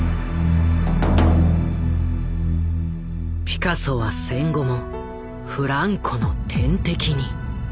ピカソは戦後もフランコの天敵に。